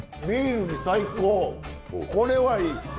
これはいい！